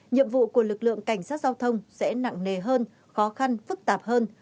nhiệm vụ của lực lượng cảnh sát giao thông sẽ nặng nề hơn khó khăn phức tạp hơn